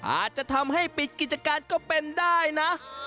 อาจจะทำให้ปิดกิจการก็เป็นได้นะ